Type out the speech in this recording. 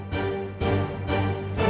seorang peng stellen